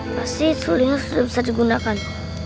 pasti sulingnya sudah bisa digunakan